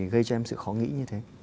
gây cho em sự khó nghĩ như thế